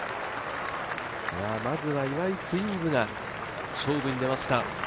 まずは岩井ツインズが勝負に出ました。